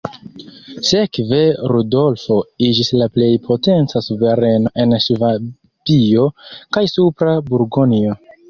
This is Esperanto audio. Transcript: Sekve Rudolfo iĝis la plej potenca suvereno en Ŝvabio kaj Supra Burgonjo.